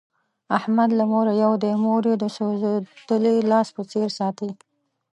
احمد له موره یو دی، مور یې د سوزېدلي لاس په څیر ساتي.